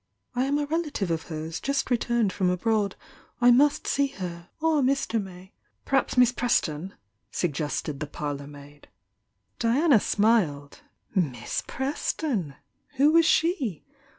"I am a relative of hers, just returned from abroad. I must see her — or Mr. May " "Perhaps Miss Preston " suggested the par lour maid. Diana smiled. Miss Preston! Who was she?